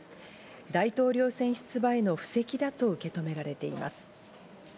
大統領選出馬への布石だと受け止められています。